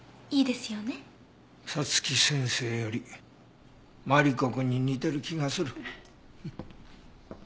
早月先生よりマリコくんに似てる気がする。